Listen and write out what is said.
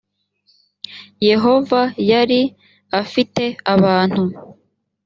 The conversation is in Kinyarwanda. yehova yari afitte abantu